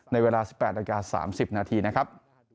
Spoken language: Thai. ในเวลา๑๘นาที๓๐นาทีนะครับ